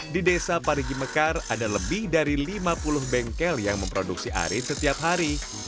di desa parigi mekar ada lebih dari lima puluh bengkel yang memproduksi aren setiap hari